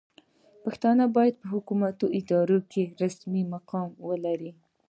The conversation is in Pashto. پښتو باید په حکومتي ادارو کې رسمي مقام ولري.